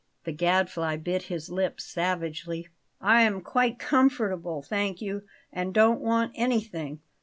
The Gadfly bit his lip savagely. "I am quite comfortable, thank you, and don't want anything."